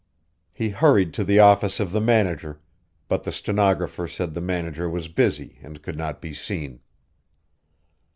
He hurried to the office of the manager, but the stenographer said the manager was busy and could not be seen.